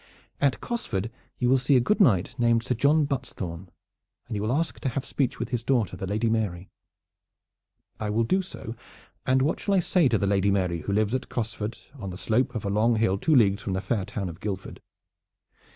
"At Cosford you will see a good knight named Sir John Buttesthorn, and you will ask to have speech with his daughter, the Lady Mary." "I will do so; and what shall I say to the Lady Mary, who lives at Cosford on the slope of a long hill two leagues from the fair town of Guildford?"